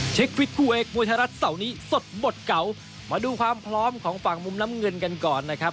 ฟิตคู่เอกมวยไทยรัฐเสาร์นี้สดบทเก่ามาดูความพร้อมของฝั่งมุมน้ำเงินกันก่อนนะครับ